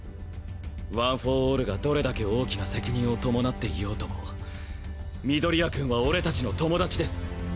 ワン・フォー・オールがどれだけ大きな責任を伴っていようとも緑谷くんは俺達の友達です。